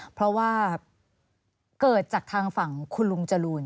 เพราะว่าเกิดจากทางฝั่งคุณลุงจรูน